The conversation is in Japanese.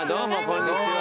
こんにちは！